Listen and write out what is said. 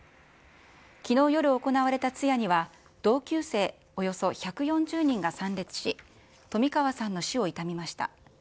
きのう夜行われた通夜には、同級生およそ１４０人が参列し、冨川さんの死を悼みました。